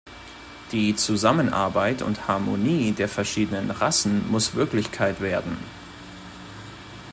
Die Zusammenarbeit und Harmonie der verschiedenen Rassen muss Wirklichkeit werden.